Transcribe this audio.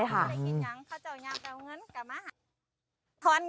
เธอบอกว่าวันเกิดเหตุนะเป็นช่วงที่เธอกำลังจะปิดร้านปะดี